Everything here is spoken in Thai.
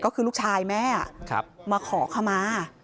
ก็คือลูกชายแม่ครับมาขอคำม้า